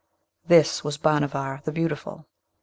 This was Bhanavar the Beautiful.